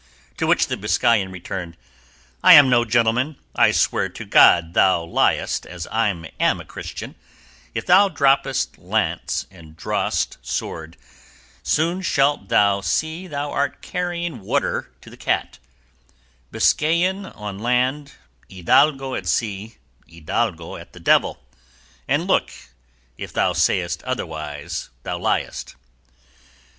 To which the Biscayan returned, "I no gentleman! I swear to God thou liest as I am Christian: if thou droppest lance and drawest sword, soon shalt thou see thou art carrying water to the cat: Biscayan on land, hidalgo at sea, hidalgo at the devil, and look, if thou sayest otherwise thou liest."